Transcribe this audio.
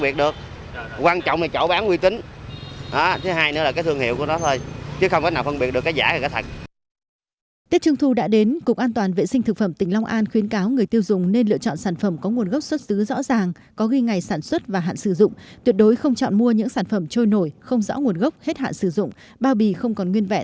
tuyệt đối không chọn mua những sản phẩm trôi nổi không rõ nguồn gốc hết hạn sử dụng bao bì không còn nguyên vẻ